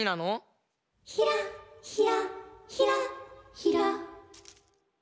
「ヒラヒラヒラヒラ」